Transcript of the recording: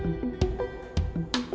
terima kasih om